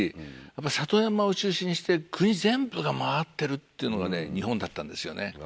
里山を中心にして国全部が回ってるっていうのが日本だったんですよね